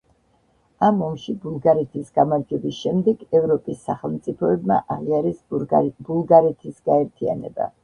ამ ომში ბულგარეთის გამარჯვების შემდეგ ევროპის სახელმწიფოებმა აღიარეს ბულგარეთის გაერთიანება.